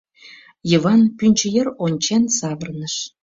Йыван пӱнчӧ йыр ончен савырныш.